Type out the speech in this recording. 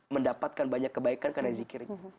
mendapatkan banyak kebaikan karena zikirnya